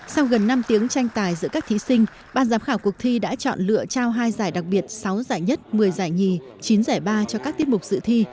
sau gần năm tiếng tranh tài giữa các thí sinh ban giám khảo cuộc thi đã chọn lựa trao hai giải đặc biệt sáu giải nhất một mươi giải nhì chín giải ba cho các tiết mục dự thi